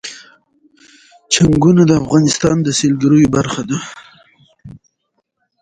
چنګلونه د افغانستان د سیلګرۍ برخه ده.